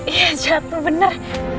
iya jatuh bener